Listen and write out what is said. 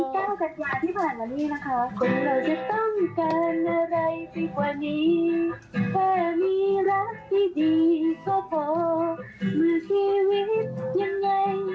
เมื่อวันที่เก้าจัดยานที่ผ่านรันนี่นะคะ